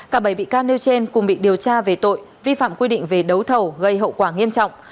cả bảy bị can nêu trên cùng bị điều tra về tội vi phạm quy định về đấu thầu gây hậu quả nghiêm trọng